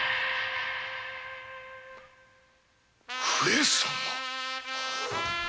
上様！